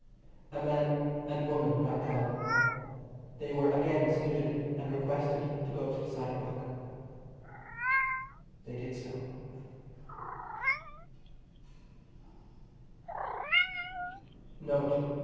A man and woman got down. They were again saluted and requested to go to the sidewalk. They did so.